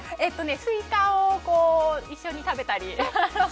すいかを一緒に食べたり。